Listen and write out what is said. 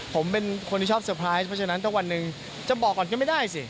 ผมเป็นคนที่ชอบสุขภาพฉะนั้นตั้งแต่วันหนึ่งจะบอกก่อนก็ไม่ได้สิ